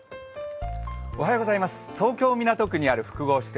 東京・港区にある複合施設